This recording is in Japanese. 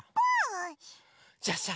じゃあさ